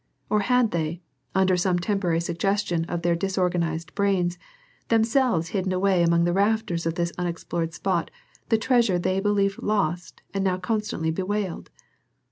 Or had they, under some temporary suggestion of their disorganized brains, themselves hidden away among the rafters of this unexplored spot the treasure they believed lost and now constantly bewailed?